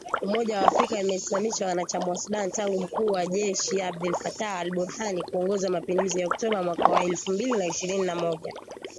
Umoja wa Afrika imesimamisha uanachama wa Sudan tangu mkuu wa jeshi Abdel Fattah al-Burhan kuongoza mapinduzi ya Oktoba mwaka wa elfu mbili na ishirini na moja.